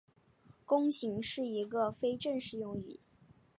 弓形是一个非正式用语。